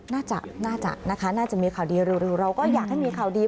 น่าจะน่าจะนะคะน่าจะมีข่าวดีเร็วเราก็อยากให้มีข่าวดี